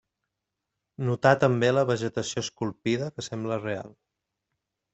Notar també la vegetació esculpida que sembla real.